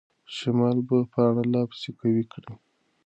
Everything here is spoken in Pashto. شمال به پاڼه لا پسې قوي کړي.